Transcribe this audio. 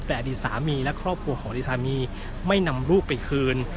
แต่อดีตสามีและครอบครัวของอดีตสามีไม่นำลูกไปคืน